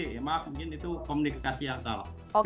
ya maaf mungkin itu komunikasi yang salah